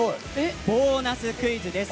ボーナスクイズです。